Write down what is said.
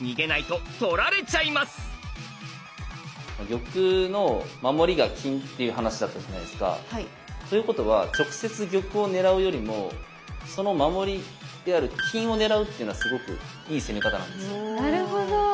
玉の守りが金っていう話だったじゃないですか。ということは直接玉を狙うよりもその守りである金を狙うっていうのはすごくいい攻め方なんですよ。